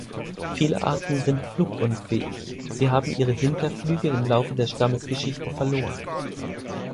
Viele Arten sind flugunfähig, sie haben ihre Hinterflügel im Laufe der Stammesgeschichte verloren.